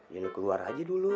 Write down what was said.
ya lu keluar aja dulu